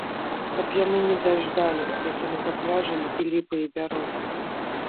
Каб яны не даждалі, як яны папляжылі і ліпы і бярозы!